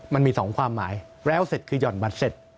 มันมี๒ความหมายแล้วเสร็จคือห่อนบัตรเสร็จ